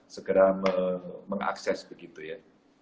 segera mengakses begitu ya